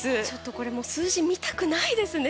これ数字見たくないですね